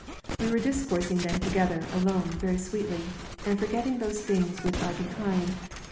We were discoursing then together, alone, very sweetly; ojid. forgetting those things which are behind, and Phil.